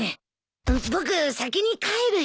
僕先に帰るよ。